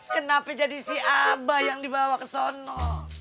kenapa jadi si abah yang dibawa ke sana